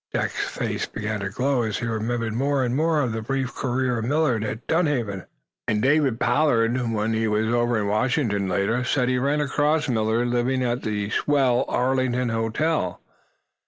Jack's face began to glow as he remembered more and more of the brief career of Millard at Dunhaven. "And Dave Pollard, when he was over in Washington later, said he ran across Millard living at the swell Arlington Hotel!